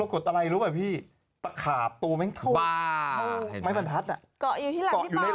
ลงกดอะไรอีกรู้ปะพี่ปะขาปตัวแม้งเท่าไหร่